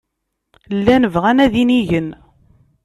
Llan bɣan ad inigen.